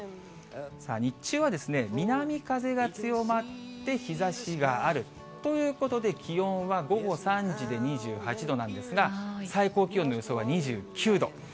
日中は南風が強まって、日ざしがある、ということで気温は午後３時で２８度なんですが、最高気温の予想が２９度。